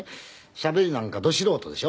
しゃべりなんかド素人でしょ。